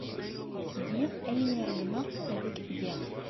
Giɣ ayen ay ṛeggmeɣ ad ak-t-geɣ.